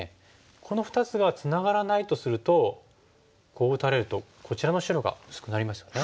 この２つがツナがらないとするとこう打たれるとこちらの白が薄くなりますよね。